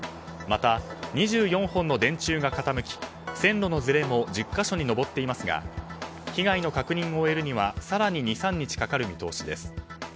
また、２４本の電柱が傾き線路のずれも１０か所に上っていますが被害の確認を終えるには更に２３日かかる見通しです。